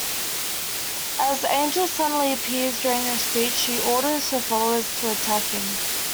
As Angel suddenly appears during her speech she orders her followers to attack him.